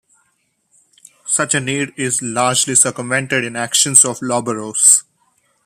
Such a need is largely circumvented in actions of lawburrows.